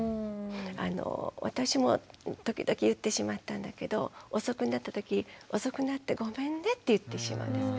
私も時々言ってしまったんだけど遅くなったとき「遅くなってごめんね」って言ってしまうんです。